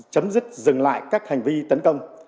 chấm dứt dừng lại các hành vi tấn công